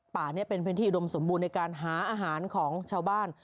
ป่านี้เป็นพื้นที่อุดมสมบูรณ์ในการหาอาหารของชาวบ้าน